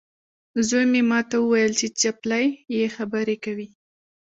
زوی مې ماته وویل چې چپلۍ یې خبرې کوي.